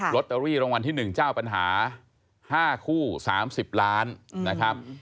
ตเตอรี่รางวัลที่๑เจ้าปัญหา๕คู่๓๐ล้านนะครับ